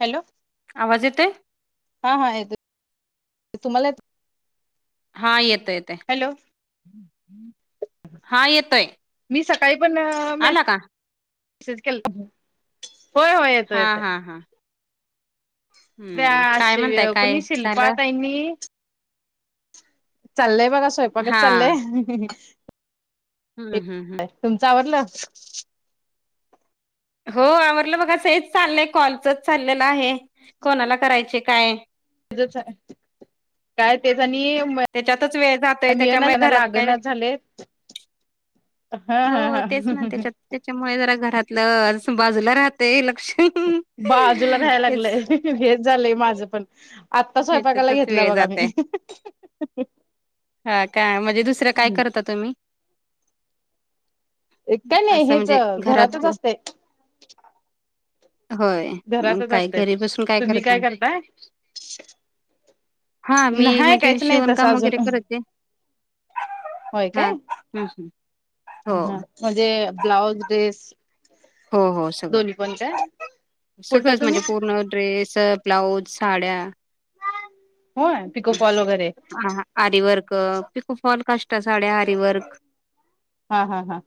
Hello! आवाज येतोय? हा हा येतोय. तुम्हाला येत? हा येतो येतं. हॅलो हा येतोय. मी सकाळी पण आला का? मेसेज केलता. होय होय येतो हा येतोय. हा हा. त्या हम्म काय शि म्हणताय का काय कुणी शिल्पा झालं? ताईंनी चाललय बघा स्वयंपाकच हा चाललंयय हम्म हम्म हम्म. [unintelligible] तुमच आवरल? हो आवरलं बघा असं हेच चाललंय कॉलचच चाललेलं आहे कोणाला करायचे काय. तिथंच आहे. काय तेच आणि मय त्याच्यातच वेळ जातोय मियना त्याच्यामुळे ह्यांना घरात काय लागणच झाले. हा हा हो हा. तेच ना त्याच्यात त्याच्यामुळे जरा घरातलं बाजूला असं राहतंय लक्ष ही नाही. बाजूला राहायला लागलंय हेच झालंय माझं पण. आत्ता स्वयंपाकाला ह्याच्यातच घेतला वेळ बघा जातय. मी. हा काय म्हणजे दुसरं काय करता तुम्ही? काय नाही असं हेच म्हणजे घरातच घरात असते होय मंग घरातच काय असते घरी बसून काय तुम्ही करता? करताय हा मी नाही म्हणजे काहीच नाही शिवण तसं काम वगैरे अजून करते. होय काय हां, हं, हं. हा हो, हा म्हणजे ब्लाऊज, ड्रेस? हो हो सगळं दोन्ही पण काय कुठं सगळंच तुम्ही म्हणजे पूर्ण ड्रेस ब्लाऊज, साड्या होय पिको फॉल वगैरे आरी वर्क, पिकू फॉल, काष्ट साड्या, आरी वर्क. हा हा हा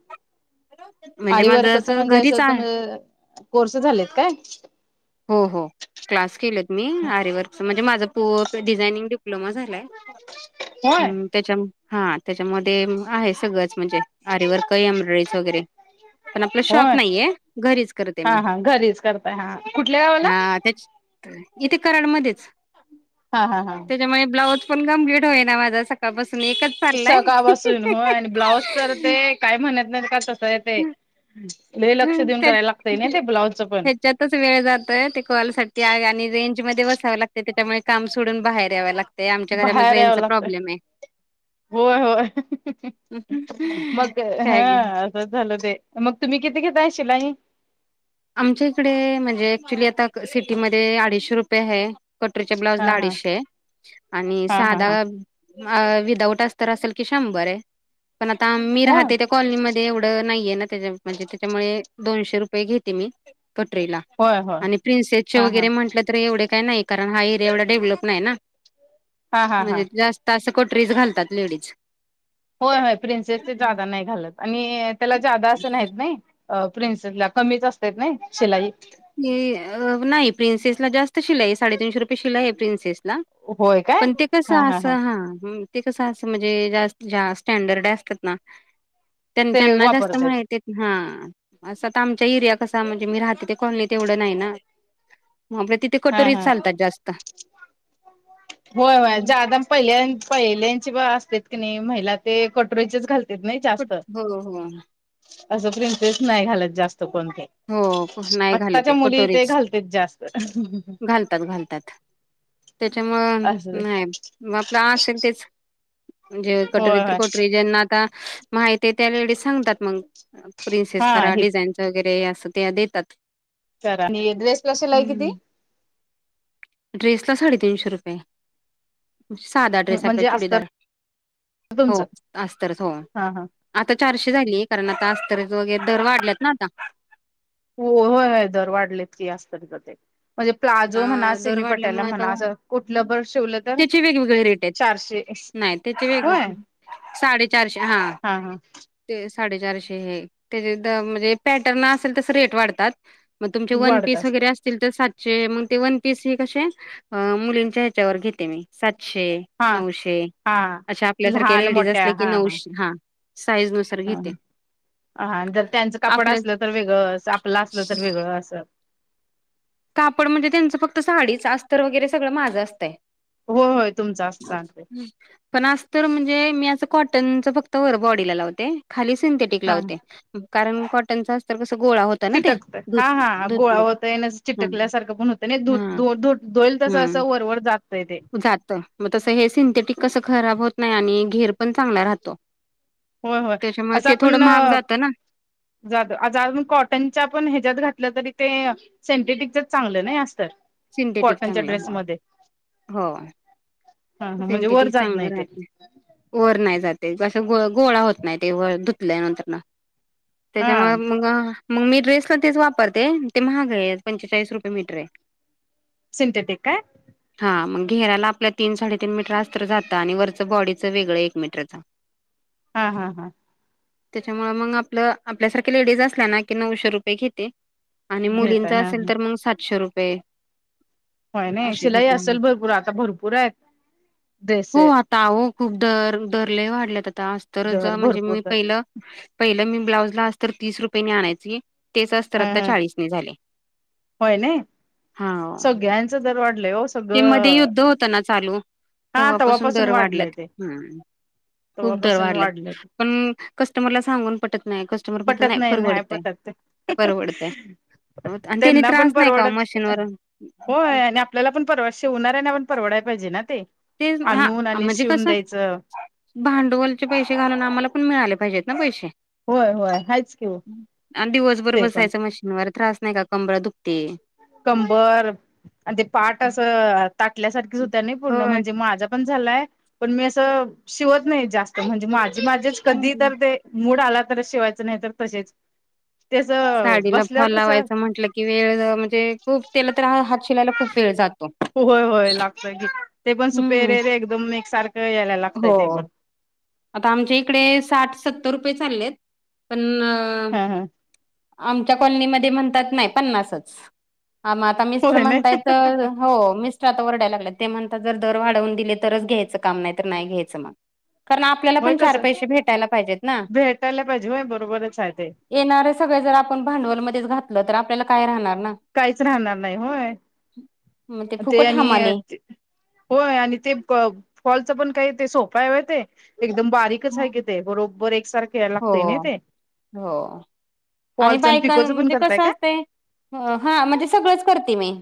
म्हणजे आरी माझं वर्कच म्हणजे घरीच असं आहे. तमे [unintelligible] कोर्स झालेत काय? हो हो. क्लास केलेत मी आरी वर्कच म्हणजे माझा पू डिझायनिंग डिप्लोमा झालाय. होय. हं, त्याच्या म हा त्याच्यामध्ये आहे सगळंच म्हणजे आरी वर्क ही एम्ब्रॉयडरीच वगैरे पण आपलं होय शॉप नाहीये घरीच करते हा मी. घरीच करताय हा कुठल्या गावाला हा त्याच इथे करायला मध्येच. हा हा हा. त्याच्यामुळे ब्लाउज पण कंप्लीट होय ना माझा सक काळ पासून एकच चाललंय. सकाळपासून होय आणि ब्लाऊज तर ते काय म्हणत नाहीत का तसं आहे ते लय लक्ष देऊन करायला लागतय ना ते ब्लाउजचं पण. त्याच्यातच वेळ जातय ते कॉल साठी आ आणि रेंज मध्ये बसावं लागते त्याच्यामुळे काम सोडून बाहेर यावं लाग ते आमच्या घरामध्ये बाहेर यावं रेंजचा लागतंय प्रॉब्लेम आहे. होय होय मग काय हा. बस झालं ते मग तुम्ही किती घेताय शिलाई? आमच्या इकडे म्हणजे ॲक्च्युली क आता सिटीमध्ये अडीचशे रुपये है. कटोरीच्या हा ब्लाउजला हा अडीचशे आणि हा हा सादा हा व अ विदाउट अस्तर असेल की शंभर आहे पण आता मी होय राहते त्या कॉलनीमध्ये एवढं नाहीये ना त्याच्या म्हणजे त्याच्यामुळे दोनशे रुपये घेते मी कटरीला. होय होय आणि प्रिन्सेसचे हा वगैरे हा म्हंटलं तर एवढे काही नाही कारण हा एरिया एवढा डेव्हलप नाही ना हा हा हा म्हणजे जास् त असं कटोरीज घालतात लेडीज. होय होय प्रिन्सेसचे जादा नाही घालत आणि त्याला जादा असं नाहीत नाही. अ प्रिन्सेस ला कमीच असतात नाय शिलाई. हे नाही प्रिन्सेस ला जास्त शिलाई आहे साडेतीनशे रुपये शिलाई आहे प्रिन्सेसला. होय काय पण ते हा कसं असं हा हम्म. ते असं म्हणजे जास ज्यास स्टडर्ड या असतात ना ते त्यांच्यांना जास्त वापरताय माहिती हा असं तर आमच्या इर्या कसा म्हणजे मी राहते ते कॉलनीत एवढं नाही ना. म आपल तिथे हा कटोरी हा चालतात जास्त. होय होय. हम्म ज्यादम पहिल्या पहिल्यांची बा असते की नाही महिला ते कटोरीचीच घालत तेत नही जास्त. हो हो असं प्रिनसेस नाही घालत जास्त कोण ते. हो नाही घालत आत्ताच्या आहे मुली ते कटोरीच घालतेच जास्त घालतात घालतात. त्याच्यामुळं नाही, म आपलं असेल तेच. म्हणजे कटोरी होय तर होय कटोरी. ज्यांना आता माहिती आहे त्या लेडीज सांगतात मग. प्रिन्सेस हा करा, हे डिझाईनच वगैरे असं ते देतात. आणि ड्रेसला शिलाई हम्म. किती? ड्रेसला साडेतीनशे रुपये. साधा ड्रेस आपला म्हणजे अस्तर चुडीदार, हो तुमचं अस्तरच हो. हा हा आता चारशे झाली कारण आता अस्तरचा वगैरे दर वाढल्यात ना आता. हो होय होय दर वाढलेतली अस्तरच ते. म्हणजे आता प्लाझो म्हणा दर सेमी पट्यायला म्हणा अस कुठलं बर शिवल त्याची वेगवेगळे रेट आहेत. नाही त्याचे होय वेगवेगळे साडेचारशे हा. हा हा. ते साडेचारशे हे त्याच्या द म्हणजे पॅटर्न असेल तस रेट वाढतात. म तुमचे वन वाढत पीस असते वगैरे अस असतील तर सातशे. मग ते वन पीस हे कसे मुलींच्या ह्याच्यावर घेते मी. सातशे हा नऊशे, हा. अशा आपल्यासारखे लहान लेडीज मोठ्या असले की नऊशे. हा साईज नुसार हं घेते हं. हा जर त्यांचं कपड आपल्या असलं तर वेगळं, आपलं असलं तर वेगळं असं. कापड म्हणजे त्यांचं फक्त साडीच अस्तर वगैरे सगळं माझं असतंय. हो होय तुमचा असत ना ते. हं. पण आस्तर म्हणजे मी असं कॉटनच फक्त वर बॉडीला लावते. खाली सिंथेटिक हा. लावते. कारण कॉटनचा अस्तर कस गोळा होत चिटकत, हा हा गोळा होतय न हा चिटकल्यासारखं पण होतं नाही. हा धू धोईल तसं असं वरवर जातंय ते. जात. म तसं हे सिंथेटिक कसं खराब होत नाही आणि घेर पण चांगला राहतो. होय होय. त्याच्यामुळे ते थोडं महाग जात ना. जातं, अज अजून कॉटनच्या पण ह्याच्यात घातलं तरी ते सिंथेटिकच चांगलं नाही अस्तर. सिंथेटिक चांगलं बुवा. होय, ह हो ह म्हणजे वर सिंथेटिक जात नाही चांगलं ते राहते. वर नाही जाते असं ग गोळा होत नाही ते, व धुतल्यानंतरन. हा त्याच्यामुळे मग मग मी ड्रेसला तेच वापरते. ते महाग आहे पंचेचाळीस रुपये मीटर आहे. सिंथटिक काय? हा मग घेराला आपल्या तीन साडे तीन तीन मीटर अस्तर जातं आणि वरचं बॉडीचं वेगळं एक मीटरच. हा हा हा. त्याच्यामुळ मग आपलं आपल्यासारखे लेडीज असल्या ना की नऊशे रुपये घेते. आणि मुलींच घेताय हा असेल ह तर मग सातशे रुपये. होय नाही असे शिलाई घेते मी. असेल भरपूर आता भरपूर आहेत. ड्रेस हो आता अहो खूप दर दर लई वाढल्यात आता. अस्तरच आता दर म्हणजे भरपूर मी दर पहिलं पहिलं मी ब्लाउजला अस्तर तीस रुपयेनी आणायची. तेच अस्तर ह आता ह चाळीस न झाले. होय नाही हा. सगळ्यांच दर वाढलंय हो ते मध्ये सगळं युद्ध होत ना चालू हा तेव्हापासून तव्हापासून दर वाढल्यात. वाढलंय ते हम्म. खूप दर तव्हापासून वाढल्यात. वाढलंय ते पण कस्टमरला सांगून पटत नाही. कस्ट पटत नाही. नाय पटत. परवडतय. आणि त्याने त्यांना पण त्रास नाही का ओ परवडत. मशीनवर होय आणि आपल्याला पण परवाड शिवाऱ्याना पण परवडाय पाहिजे ना ते. ते हा आणून आणि म्हणजे शिवून कसं द्यायचं. भांडवलचे पैसे घालून, आम्हाला पण मिळाले पाहिजेत ना पैसे. होय होय हायच की ओ आण दिवसभर ते पण. बसायच मशीनवर त्रास नाही का. कंबर दुखते. कंबर आणि ते पाठ असं ताटल्यासारखीच होत्या नाही पूर्ण. होय. म्हणजे माझा पण झालंय. पण मी असं शिवत नाही जास्त. म्हणजे माझी माझेच. कधी हम्म. तर ते मूड आला तरच शिवायच, नाही तर तसेच. त्याच साडीला बसल्यावर कसं फलावायचं म्हटलं कि वेळ ते खूप त्याला तर आहा, हात शिलायला खूप वेळ जातो. होय-होय लागतय ते पण हम्म सुपेरेरे एकदम एकसारखं यायला लागतंय हो ते पण. आता आमच्या इकडे साठ-सत्तर रुपये चाललेत. पण हा हा. आमच्या कॉलनीमध्ये म्हणतात नाही पन्नासच. आ मग आता मिस्टर होय नाही म्हणतायत. हो मिस्टर आता वरडायला लागलेत. ते म्हणता जर दर वाढवून दिले, तरच घ्यायचं काम. नाही तर नाही घ्यायचं मग. कारण आपल्याला होय पण चार कसं पैसे भेटायला पाहिजेत ना. भेटायला पाहिजे होय बरोबरच आहे ते. येणारे सगळे जर आपण भांडवलमध्येच घातलं. तर आपल्याला काय राहणार ना. काहीच राहणार नाही होय, मग ते फुकट आणि हमाली होय आणि ते फॉलच पण काही ते सोप हाय वय ते. एकदम बारीक कच हाय ते. बरोबर एक सारखे हो यायलागतय नाही ते. हो. आणि फॉलच बायका पिकोचं पण म्हणजे करताय कसं का असतय, हा म्हणजे सगळंच करते मी.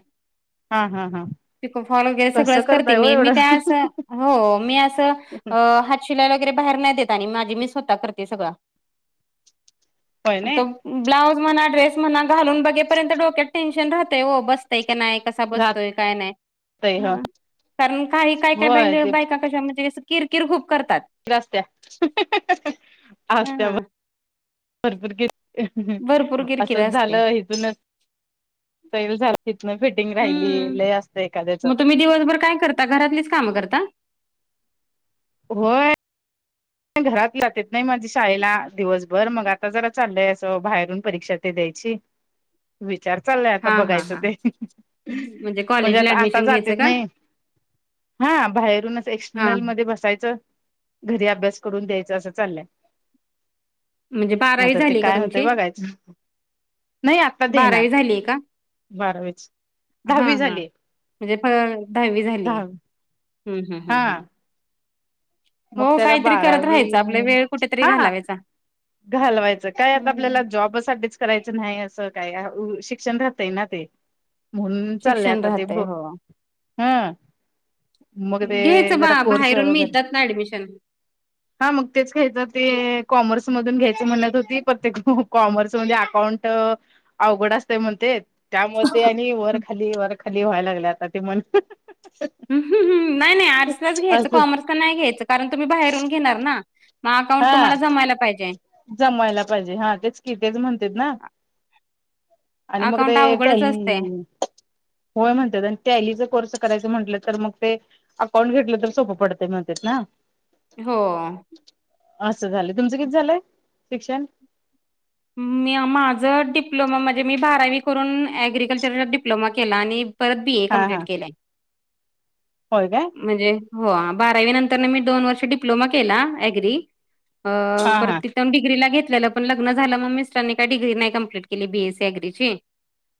हा, हा, हा. पिको-फॉल वगैरे कसं सगळंच करते करताय हो मी. मी एवढं काय असं हो मी असं अ हातशिलाईला वगैरे बाहेर नाही देत. आणि माझी मी स्वतः करते सगळं. होय नाही उत्तम. ब्लाउज म्हणा, ड्रेस म्हणा, घालून बघेपर्यंत डोक्यात टेन्शन राहतय ओ. बसतय का नाय? कसा बसतोय काय नाय. राहतय ह हम्म, कारण काये, होय काय-काय ते बायका कशा, म्हणजे अस किरकिर खूप करतात. असत्या, असत्या हा भरपूर किर भरपूर किरकिर असच असते. झालं, हीतनच सैल झाल. हितन फिट फिटींग राहिलीय. हम्म. लई असत एखाद्याच. मग तुम्ही दिवसभर काय कर ता? घरातलीच काम करता? होय घरात, पोर जात्यात नाही माझ्या शाळेला दिवसभर. मग आ आता जरा चालय असं बाहेरून परीक्षा ते द्यायची. विचार चाललाय आता हा हा बघायचं हा. ते. म्हणजे कॉलेजला आता आता ऍडमिशन घ्यायचं जातेत का? नाही. हा बाहेरूनच हा एक्सटर्नल मध्ये बसायचं. घरी अभ्यास करून द्यायचा असं चाललंय. म्हणजे बारावी आता ते झाली का काय होतेय तुमची? बघायचं. नाही आता देणार बारावी झालीय का? बारावीच. हा, दहावी हा झाली म्हणजे दहावी झालीय. दहावी हम्म हम् हा हम्मम्. मग त्याला करत बारावी, राहायचं आपला वेळ कुठेतरी हा हा. घालावायचा. घालवायचं काय आता आपल्याला हम्म. जॉब साठीच. करायचं नाही असं काय शिक्षण राहतय ना ते. म्हूनन चाललय शिक्षण आता ते राहतय ब हो. -हम्म. मग ते घ्यायचं बा जरा कोर्स बाहेरून वगैरे. मिळतात ना ऍडमिशन. हा मग तेच घ्यायच ते कॉमर्स मधून घ्यायच म्हणत होती, पर ते कॉमर्समध्ये अकाउंट अवघड असते म्हणते त त्यामुळे ते आणि वरखाली-वरखाली व्हायला लागल्या आता ते म्हण. अम ह ह नाही-नाही आर्टस लाच घ्यायचं असं कॉमर्स ला नाही घ्यायचं कारण तुम्ही बाहेरून घेणार ना. मग अकाउंट हा तुम्हाला जमायला पाहिजे. जमायला पाहिजे हा तेच कि तेच म्हणतेत ना? आणि मग ते अकाउंट अवघडच टॅली असतय - - होय म्हणतात आणि ते टॅलीचा कोर्स करायचं म्हटलं तर मग ते अकाउंट घेतलं तर सोपं पडतं म्हणतेत ना? हो. असं झालं. तुमचं किती झालंय शिक्षण मी माझं डिप्लोमा म्हणजे मी बारावी करून एग्रिकल्चरचा डिप्लोमा केला आणि परत बी ए हा कमप्लीट हा केलंय. होय काय म्हणजे? हो बारावी नंतरन मी दोन वर्ष डिप्लोमा केला अग्री. अ हा परत हा ते टर्म डिग्रीला घेतलेलं पण लग्न झालं मग मिस्टरांनी काय डिग्री नाही कंप्लीट केली बी एसी सी ॲग्रीची.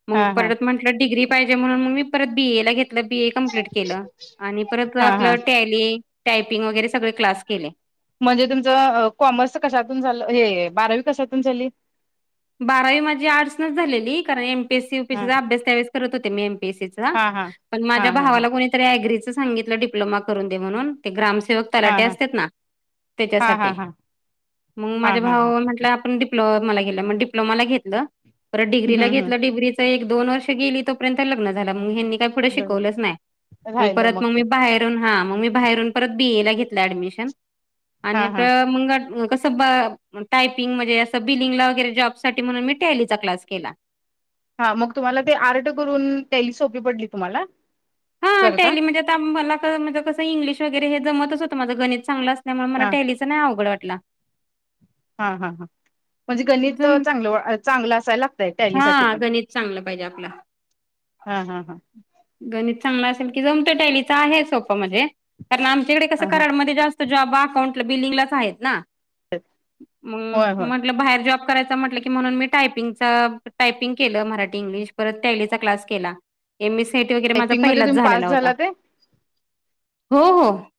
मग हा हा परत म्हटलं डिग्री पाहिजे म्हणून म मी परत बीए ला घेतलं बीए - कंप्लीट केलं आणि परत हा आपलं हा टॅल टायपिंग वगैरे सगळे क्लास केले. म्हणजे तुमचं कॉमर्स कशातून झालं हे बारावी कशातून झाली. बारावी माझी आर्टस नच झालेली कारण एमपीसी हा यूपीसीचा अभ्यास त्यावेळेस करत होते मी एमपीएसीच. रा हा हा पण हा माझ्या हा हा भावाला कुणीतरी अग्रीच सांगितल डिप्लोम करून दे म्हणून ते ग्रामसेवक हा तलाठी हा असत्यात ना त्याच्या हा साठी हा हा मग हा माझ्या हा हा भावान म्हटलाय आपण डिप् डिप्लोमा ला घेतल मग परत डिग्री ला हम्म घेतल. हम् डोग्रीच त एक -दोन वर्ष गेली तोपर्यंत लग्न झाल मग हेंनी काय पुढं बर शिकवलंच नाही म राहिलं परत मग ते मी बाहेर हा म मी बाहेरून परत बी ए ला घेतल ॲडमिशनन. आणि हा आपल हा मंग कस अस ब टायपिंग म्हणजे असं बिलिंगला वगैरे जॉब साठी म्हणून मी टॅलीचा क्लास केला. हा मग तुम्हाला ते आर्ट करून टॅली सोपी पडली तुम्हाला? हा करता टॅली म्हणजे आता मला क म्हंजे कसं इंग्लीश वगैरे हे जमत च होत माझ गणित चांगल असल्यामुळे मला हा टॅलीच त नाही अवघड वाटला. हा हा हां म्हणजे गणित जम चांगलं चांगलं असायलात त टॅली साठी हा पण गणित चांगलं पाहिजे आपला हा हा हा. गणित चांगलं असेल की जमत टॅलीच आहे सोप म्हणजे कारण आमच्याकडे कसं हा हा कराडमध्ये जास्त त जॉब अकाऊट ला आहे बिलिंगलाच आहेत ना? होय मंग होय आपल बाहेर जॉब करायचा म्हटलं की म्हणून मी टायपिंगचा - टायपिंग केलं मराठी - इंग्लिश परत टॅलीचा क्लास केला. M S C I T वगैरे माझा टायपिंग मध्ये पहिलाच तुम्ही पास झालेला होता. झाला ते हो हो -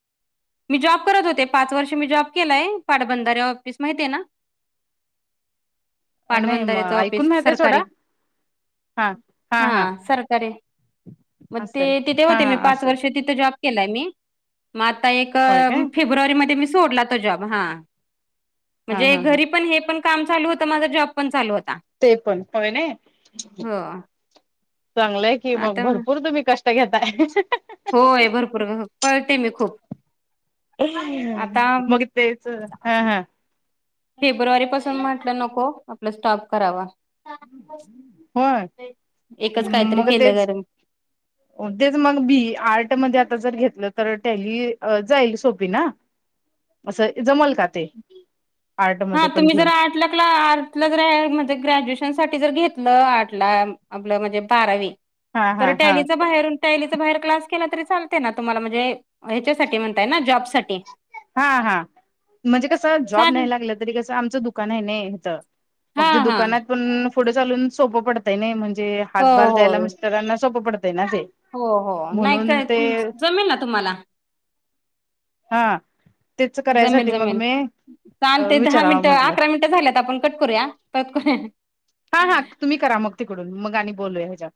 मी जॉब करत होते पाच वर्ष मी जॉब केलाय पाटबंधारे ऑफिस माहितेय ना? नाही पाटबंधाऱ्याच मग ऑफिस ऐकून माहीतय सरकारी सोडा. हा सरकारे मग ते असेल तिथे हा होते हा मी पाच असेल वर्ष तिथे जॉब केलाय मी. मग आता एक होय काय फेब्रुवारी मध्ये मी सोडला तो जॉब हा. हा म्हणजे हा हा घरी पण हे पण काम चालू होत माझा जॉब पण चालू होता. ते पण होय नाई हो चांगलंय कि. मग आता भरपूर तुम्ही कष्ट ते घेताय होय भरपूर गं पळते मी खूप. आता मग तेचं हा हा. फेब्रुवारी पासून म्हटलं नको आपला स्टॉप करावा. होय एकच काहीतरी मग केलं तेच गरम हो तेच मग बी आर्ट मध्ये आता जर घेतलं तर टॅली अ जाईल सोपी ना. असं जमल का ते? आर्ट हा मध्ये पण तुम्ही जर घेऊन आर टला क्ला आर्टला जर म्हणजे ग्रॅज्युएशन साठी जर घेतलं आर्टला आपलं म्हणजे बारावी हा हा तर हा टॅलीचा बाहेरून टेलीच्या बाहेर क्लास केला तरी चालते ना तुम्हाला म्हणजे ह्याच्यासाठी म्हणताय ना जॉब साठी हा हा म्हणजे कसं जॉब नाही चालेल लागलं तरी कसं आमचं दुकान आहे नाय हिथं हा मग ते हा दुकानात पण पुढं चालून सोपं पडतय नाही म्हणजे हो हातभाल द्यायला हो मिस्टरांना सोपं पडतंय ना ते. हो हो नाही काय तुम जमेल ना तुम्हाला. हां. जमेल जमेल तान ते दहा विचारावं मिनिटं म्हटलं अकरा मिनिटं झाल्यात आपण कट करूया परत करूया. हा हा तुम्ही करा मग तिकडून मग आणि बोलूया हेज्यात.